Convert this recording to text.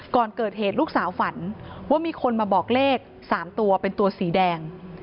ก่อนเกิดเหตุลูกสาวฝันว่ามีคนมาบอกเลข๓ตัวเป็นตัวสีแดง